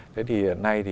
thế thì hiện nay thì